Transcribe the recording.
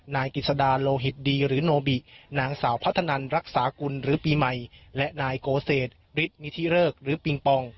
นายกิจสดาโลหิตดีหรือโนบินางสาวพัฒนันรักษากุลหรือปีใหม่และนายโกเศษฤทธิมิธิเริกหรือปิงปอง